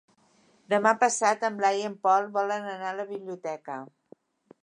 Demà passat en Blai i en Pol volen anar a la biblioteca.